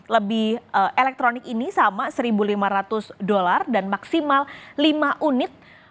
lebih elektronik ini sama satu lima ratus dolar dan maksimal lima unit